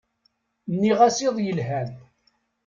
Nniɣ-as iḍ yelhan.